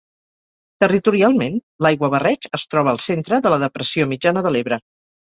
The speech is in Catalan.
Territorialment, l'Aiguabarreig es troba al centre de la Depressió mitjana de l'Ebre.